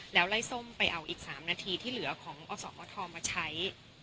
แล้วไล่ส้มไปเอาอีก๓นาทีที่เหลือของอสอทมาใช้